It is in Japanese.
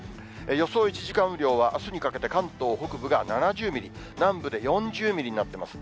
予想１時間雨量は、あすにかけて関東北部が７０ミリ、南部で４０ミリになってます。